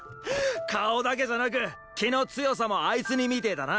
顔だけじゃなく気の強さもあいつ似みてぇだな。